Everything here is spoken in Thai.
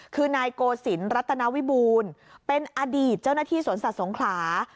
คือนายโกศิรรัตนวิบูลเป็นอดีตเจ้าหน้าที่สวนศาสนขา